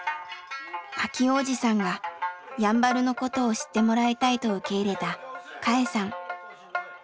明男おじさんがやんばるのことを知ってもらいたいと受け入れたかえさん。